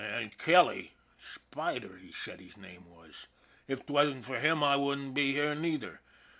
An' Kelly, Spider he said his name was, if 'twasn't for him I wouldn't be here neither.